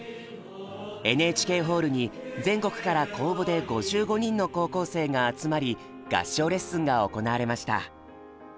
ＮＨＫホールに全国から公募で５５人の高校生が集まり合唱レッスンが行われました。